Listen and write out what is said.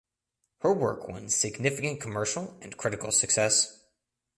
Her work won significant commercial and critical success.